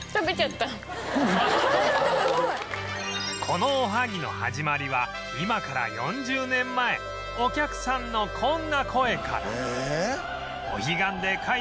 このおはぎの始まりは今から４０年前お客さんのこんな声から